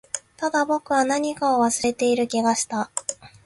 ただ、僕は何かを忘れている気がした